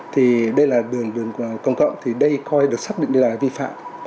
thì đây là đường công cộng thì đây coi được xác định đây là vi phạm